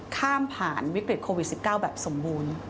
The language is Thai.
ข้ามผ่านวิกฤตโควิด๑๙แบบสมบูรณ์